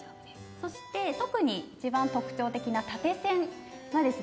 そして特に一番特徴的な縦線はですね